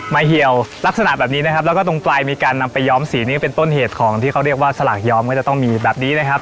เหี่ยวลักษณะแบบนี้นะครับแล้วก็ตรงไกลมีการนำไปย้อมสีนี้เป็นต้นเหตุของที่เขาเรียกว่าสลากย้อมก็จะต้องมีแบบนี้นะครับ